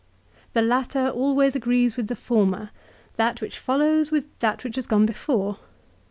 The latter always agrees with the former ; that which follows with that which has gone before.